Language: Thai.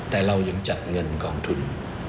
แต่เรายังจัดเงินกองทุน